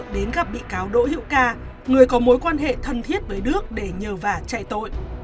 đến gặp bị cáo đỗ hữu ca người có mối quan hệ thân thiết với đức để nhờ vả chạy tội